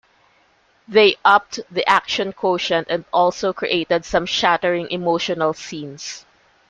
They upped the action quotient and also created some shattering emotional scenes.